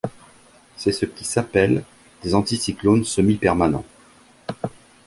C'est ce qui s'appelle des anticyclones semi-permanents.